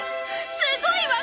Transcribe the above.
すごいわ！